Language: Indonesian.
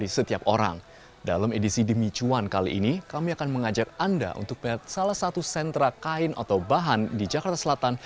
salah satu sentra kain atau bahan di jakarta selatan